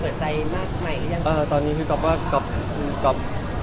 ของคุณค่ะเราก็อยากจะทำกินไว้กัน